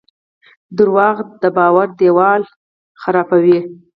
دروغ د باور دیوال ړنګوي.